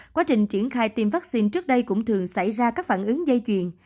quá trình triển khai tiêm vaccine trước đây cũng thường xảy ra các phản ứng dây chuyền